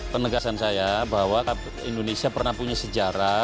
penegasan saya bahwa indonesia pernah punya sejarah